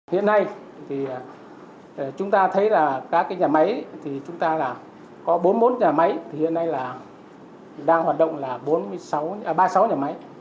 hiện nay thì chúng ta thấy là các cái nhà máy thì chúng ta là có bốn mươi một nhà máy thì hiện nay là đang hoạt động là ba mươi sáu nhà máy